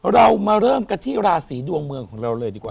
เรามาเริ่มกันที่ราศีดวงเมืองของเราเลยดีกว่า